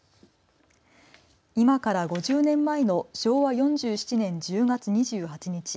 今から５０年前の昭和４７年１０月２８日。